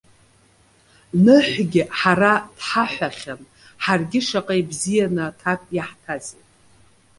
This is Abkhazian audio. Ныҳәгьы ҳара дҳаҳәахьан, ҳаргьы шаҟа ибзианы аҭак иаҳҭазеи!